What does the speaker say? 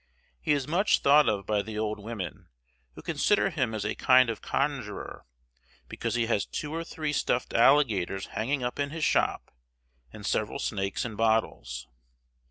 He is much thought of by the old women, who consider him as a kind of conjurer because he has two or three stuffed alligators hanging up in his shop and several snakes in bottles.